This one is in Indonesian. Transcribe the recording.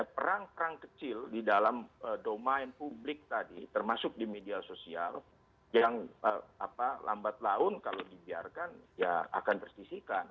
perang perang kecil di dalam domain publik tadi termasuk di media sosial yang lambat laun kalau dibiarkan ya akan tersisikan